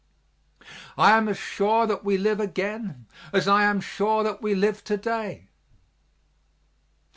I am as sure that we live again as I am sure that we live to day.